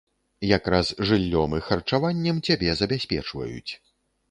Якраз жыллём і харчаваннем цябе забяспечваюць.